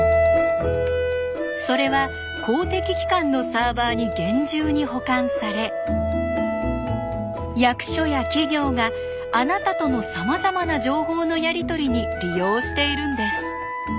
それは公的機関のサーバーに厳重に保管され役所や企業があなたとのさまざまな情報のやり取りに利用しているんです。